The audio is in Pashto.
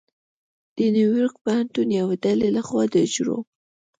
د نیویارک پوهنتون یوې ډلې لخوا د حجرو